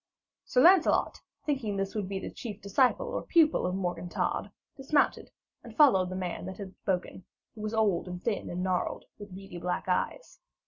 Sir Lancelot, thinking this would be the chief disciple or pupil of Morgan Todd, dismounted, and followed the man that had spoken, who was old and thin and gnarled, with beady black eyes.